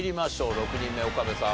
６人目岡部さん